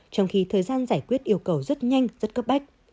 trong khi thời gian giải quyết yêu cầu rất nhanh rất cấp bách